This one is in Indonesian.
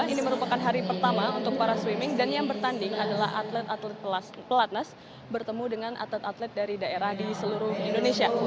ini merupakan hari pertama untuk para swimming dan yang bertanding adalah atlet atlet pelatnas bertemu dengan atlet atlet dari daerah di seluruh indonesia